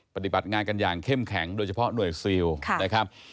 ปฏิบัติงานกันอย่างเข้มแข็งโดยเฉพาะหน่วยซิลนะครับ